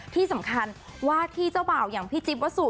ที่สำคัญว่าที่เจ้าบ่าวอย่างพี่จิ๊บวัสสุ